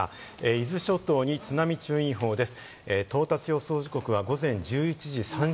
伊豆諸島に津波注意報です。